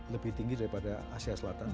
lebih tinggi daripada asia selatan